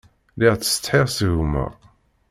Lliɣ ttsetḥiɣ s gma.